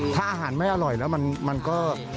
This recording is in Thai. ถ้าอาหารไม่อร่อยแล้วมันก็